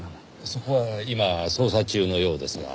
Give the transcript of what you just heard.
そこは今捜査中のようですが。